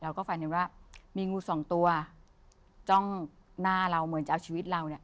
ก็ฝันเห็นว่ามีงูสองตัวจ้องหน้าเราเหมือนจะเอาชีวิตเราเนี่ย